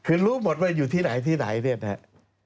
คือรู้หมดว่าอยู่ที่ไหนที่ไหนเนี่ยนะครับ